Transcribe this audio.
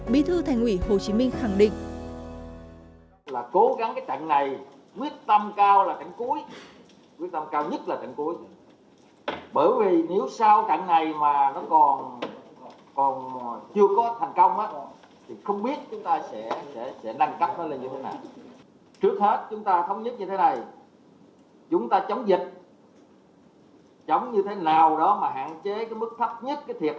bí thư thành ủy hồ chí minh khẳng định